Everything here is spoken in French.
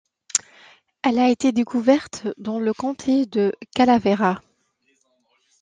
Elle a été découverte dans le comté de Calaveras.